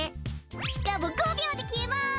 しかも５びょうできえます。